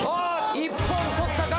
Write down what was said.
一本取ったか？